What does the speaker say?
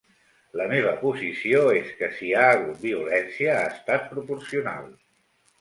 La meva posició és que si hi ha hagut violència, ha estat proporcional.